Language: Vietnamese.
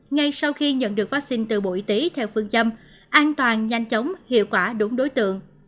ngay sau khi nhận được vaccine từ bộ y tế theo phương châm an toàn nhanh chóng hiệu quả đúng đối tượng